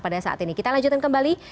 pada saat ini kita lanjutkan kembali